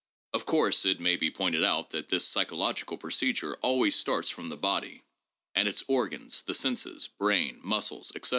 Of course, it may be pointed out that this psychological procedure always starts from the body and its organs, the senses, brain, muscles, etc.